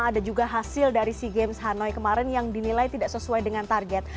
ada juga hasil dari sea games hanoi kemarin yang dinilai tidak sesuai dengan target